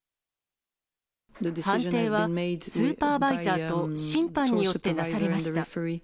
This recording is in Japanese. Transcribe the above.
判定はスーパーバイザーと審判によってなされました。